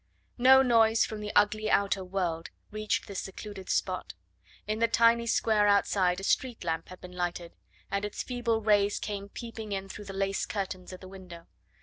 No noise from the ugly outer world reached this secluded spot. In the tiny square outside a street lamp had been lighted, and its feeble rays came peeping in through the lace curtains at the window.